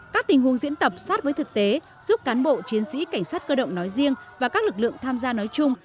các tình huống diễn tập sát với thực tế giúp cán bộ chiến sĩ cảnh sát cơ động nói riêng và các lực lượng tham gia nói chung